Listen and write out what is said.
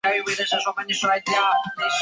马寿华是中国民主促进会的创建者之一。